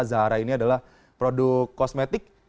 zahara ini adalah produk kosmetik